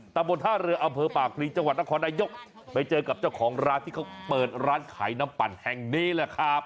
บนท่าเรืออำเภอปากพลีจังหวัดนครนายกไปเจอกับเจ้าของร้านที่เขาเปิดร้านขายน้ำปั่นแห่งนี้แหละครับ